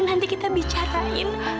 nanti kita bicarain